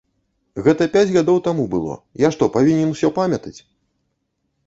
Гэта пяць гадоў таму было, я што, павінен усё памятаць?